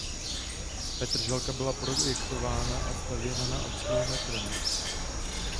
Petržalka byla projektována a stavěna na obsluhu metrem.